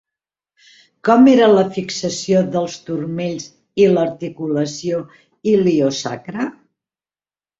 Com era la fixació dels turmells i l'articulació iliosacra?